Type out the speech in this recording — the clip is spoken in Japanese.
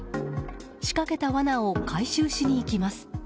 仕掛けたわなを回収しに行きます。